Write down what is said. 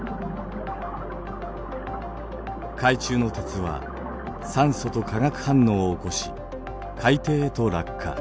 海中の鉄は酸素と化学反応を起こし海底へと落下。